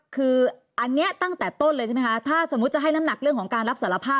คืออันนี้ตั้งแต่ต้นเลยใช่ไหมคะถ้าสมมุติจะให้น้ำหนักเรื่องของการรับสารภาพ